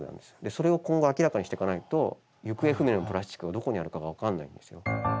それを今後明らかにしていかないと行方不明のプラスチックがどこにあるかが分からないんですよ。